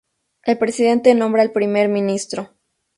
El presidente nombra al primer ministro.